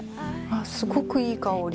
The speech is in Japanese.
すごくいい香り